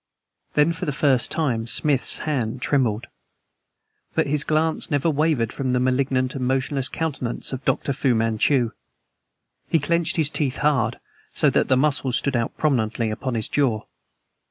Then, for the first time, Smith's hand trembled. But his glance never wavered from the malignant, emotionless countenance of Dr. Fu Manchu. He clenched his teeth hard, so that the muscles stood out prominently upon his jaw.